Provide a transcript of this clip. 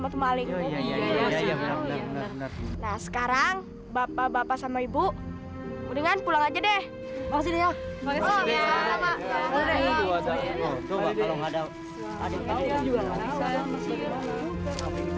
temali iya benar benar nah sekarang bapak bapak sama ibu dengan pulang aja deh maksudnya